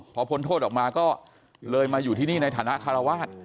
พอพ้นโทษออกมาก็เลยมาอยู่ที่นี่ในฐานะคารวาส